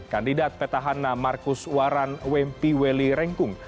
kandidat petahana markus waran wempi weli rengkung